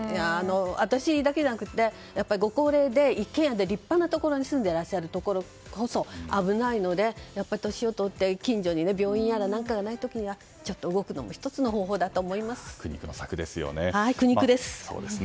私だけじゃなくて、ご高齢で一軒家で立派なところに住んでいらっしゃる方こそ危ないので、年を取って近所に病院などがあってちょっと動くのも１つの方法だと苦肉の策ですよね。